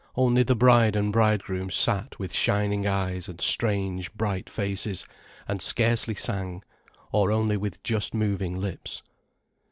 Only the bride and bridegroom sat with shining eyes and strange, bright faces, and scarcely sang, or only with just moving lips.